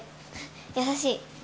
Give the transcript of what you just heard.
優しい。